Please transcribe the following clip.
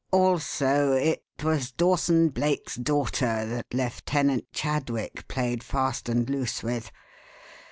Also, it was Dawson Blake's daughter that Lieutenant Chadwick played fast and loose with.